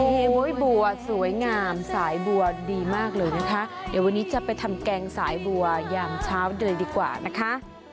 โอ้โหบัวสวยงามสายบัวดีมากเลยนะคะเดี๋ยววันนี้จะไปทำแกงสายบัวยามเช้าเลยดีกว่านะคะ